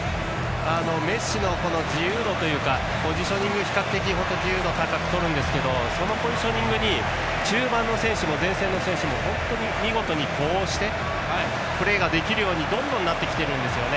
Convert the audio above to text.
メッシの自由度というかポジショニングを比較的自由に取るんですがそのポジショニングに中盤の選手も前線の選手も、見事に呼応してプレーができるようにどんどんなってきているんですね。